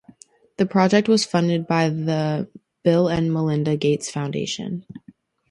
The project was funded by the Bill and Melinda Gates Foundation.